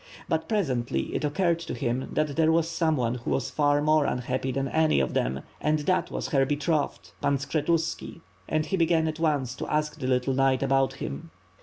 But, presently, it oc curred to him that there was some one who was far more unhappy than any of them; and that was her betrothed. Pan Skshetuski — ^and he began at once to ask the little knight about him.